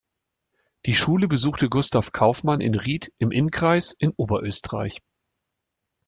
Die Schule besuchte Gustav Kaufmann in Ried im Innkreis in Oberösterreich.